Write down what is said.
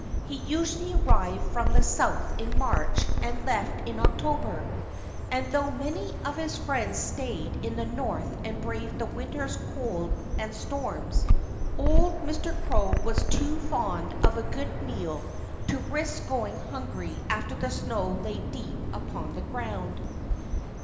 He usually arrived from the South in March and left in October. And though many of his friends stayed in the North and braved the winter's cold and storms, old Mr. Crow was too fond of a good meal to risk going hungry after the snow lay deep upon the ground.